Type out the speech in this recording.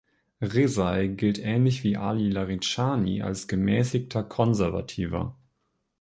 Rezai gilt ähnlich wie Ali Laridschani als gemäßigter Konservativer.